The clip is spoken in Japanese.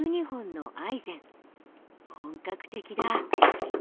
本格的だ。